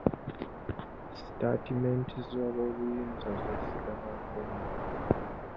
Sitatimenti z'aboobuyinza zeesigamwako nnyo.